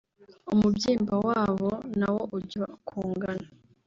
umubyimba wabo nawo ujya kungana